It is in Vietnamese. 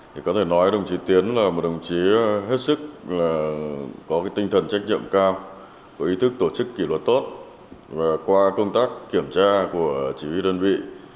thì có thể nói đồng chí tiến là một đồng chí hết sức là có tinh thần trách nhiệm cao có ý thức tổ chức kỷ luật tốt và qua công tác kiểm tra của chỉ huy đơn vị